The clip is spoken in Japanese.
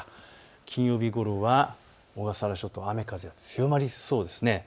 金曜日ごろは小笠原諸島、雨風が強まりそうです。